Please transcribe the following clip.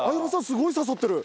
すごい刺さってる。